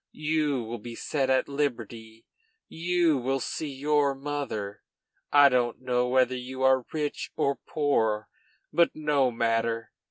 You will be set at liberty, you will see your mother! I don't know whether you are rich or poor, but no matter!